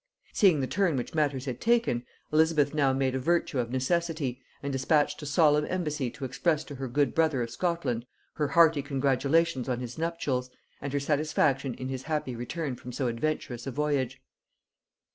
Seeing the turn which matters had taken, Elizabeth now made a virtue of necessity, and dispatched a solemn embassy to express to her good brother of Scotland her hearty congratulations on his nuptials, and her satisfaction in his happy return from so adventurous a voyage.